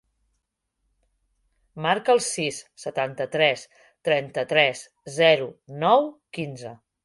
Marca el sis, setanta-tres, trenta-tres, zero, nou, quinze.